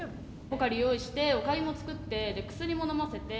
ポカリ用意しておかゆも作ってで薬ものませて。